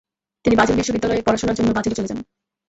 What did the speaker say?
তিনি বাজেল বিশ্ববিদ্যালয়ে পড়াশোনার জন্য বাজেলে চলে যান।